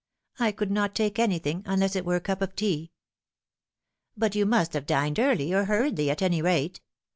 " I could not take anything, unless it were a cup of tea." " But you must have dined early, or hurriedly, at any rate.